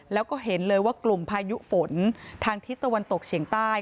แล้วก็เห็นเลยว่ากลุ่มพายุฝนทางทิศตะวันตกเฉียงใต้